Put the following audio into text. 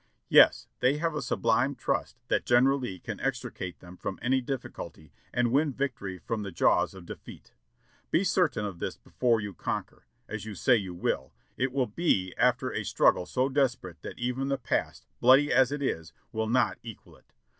"Yes ! they have a sublime trust that General Lee can extricate them from any difficulty and win victory from the jaws of defeat. Be certain of this before you conquer, — as you say you will, — it will THE PEACU CONFERENCE 639 be after a struggle so desperate that even the past, bloody as it is, will not equal it.